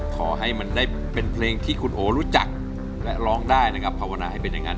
ขอให้มันได้เป็นเพลงที่คุณโอรู้จักและร้องได้นะครับภาวนาให้เป็นอย่างนั้น